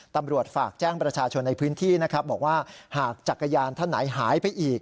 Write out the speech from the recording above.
ตำรวจฝากแจ้งประชาชนในพื้นที่นะครับบอกว่าหากจักรยานท่านไหนหายไปอีก